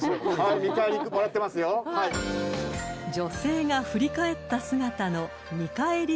［女性が振り返った姿の］